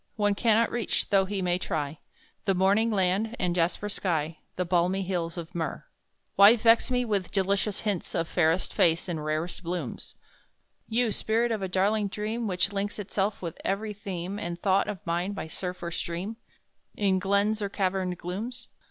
One cannot reach, though he may try, The Morning land, and Jasper sky The balmy hills of Myrrh. "Why vex me with delicious hints Of fairest face, and rarest blooms; You Spirit of a darling Dream Which links itself with every theme And thought of mine by surf or stream, In glens or caverned glooms?"